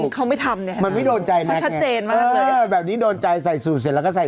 เค้าไม่ทำเนี่ยเออ